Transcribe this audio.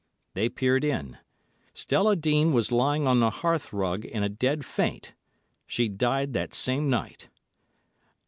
They peered in. Stella Dean was lying on the hearthrug in a dead faint. She died that same night."